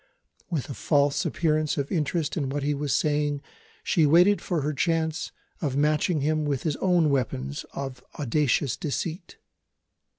With a false appearance of interest in what he was saying she waited for her chance of matching him with his own weapons of audacious deceit.